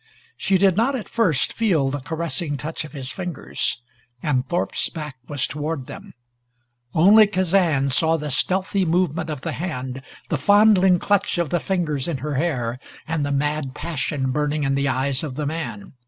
She did not at first feel the caressing touch of his fingers, and Thorpe's back was toward them. Only Kazan saw the stealthy movement of the hand, the fondling clutch of the fingers in her hair, and the mad passion burning in the eyes of the man.